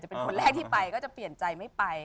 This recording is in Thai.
เป็นคนแรกที่ไปก็จะเปลี่ยนใจไม่ไป